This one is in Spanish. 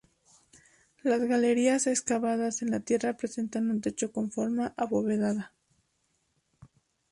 Las galerías excavadas en la tierra presentan un techo con forma abovedada.